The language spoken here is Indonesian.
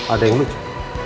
ada yang lucu